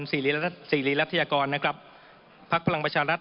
สีหรีรัฐยากรพรรคพลังพชารัฐ